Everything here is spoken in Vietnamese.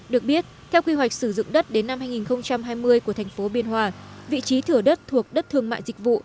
được biết theo quy hoạch sử dụng đất đến năm hai nghìn hai mươi của thành phố biên hòa vị trí thửa đất thuộc đất thương mại dịch vụ